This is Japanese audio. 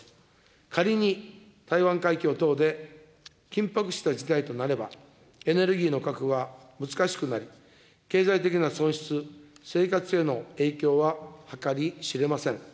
仮に台湾海峡等で緊迫した事態となれば、エネルギーの確保は難しくなり、経済的な損失、生活への影響は計り知れません。